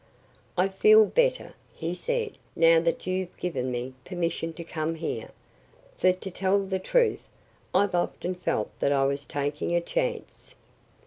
"I feel better," he said, "now that you've given me permission to come here. For to tell the truth, I've often felt that I was taking a chance."